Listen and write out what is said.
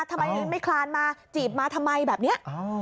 ทำไมไม่คลานมาจีบมาทำไมแบบนี้